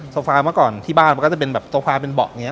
โซฟาเมื่อก่อนที่บ้านมันก็จะเป็นแบบโซฟาเป็นเบาะอย่างนี้